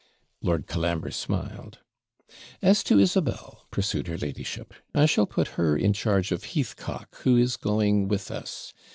"' Lord Colambre smiled. 'As to Isabel,' pursued her ladyship, 'I shall put her in charge of Heathcock, who is going with us.